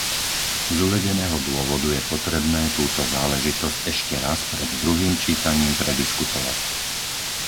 Z uvedeného dôvodu je potrebné túto záležitosť ešte raz pred druhým čítaním prediskutovať.